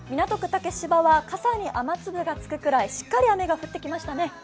竹芝は傘に雨粒がつくぐらいしっかり雨が降ってきました。